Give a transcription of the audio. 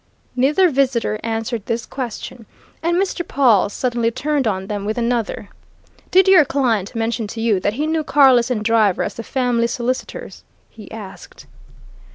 Neither visitor answered this question, and Mr. Pawle suddenly turned on them with another. "Did your client mention to you that he knew Carless and Driver as the family solicitors?" he asked.